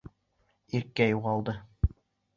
Иркә юғалды.